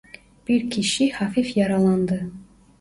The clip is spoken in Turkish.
Bir kişi hafif yaralandı.